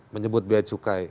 menyebut biaya cukai